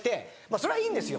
それはいいんですよ